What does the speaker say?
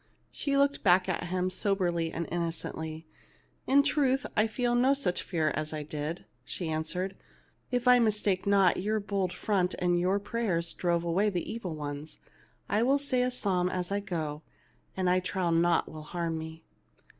She looked back at him soberly and innocently. '/In truth, I feel no such fear as I did," she an swered. "If I mistake not, your bold front and your prayers drove away the evil ones. I will say a psalm as I go, and I trow naught will harm me."